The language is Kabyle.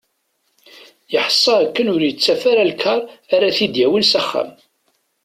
Yeḥsa d akken ur yettaf ara lkar ara t-id-yawin s axxam.